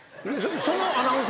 そのアナウンスが？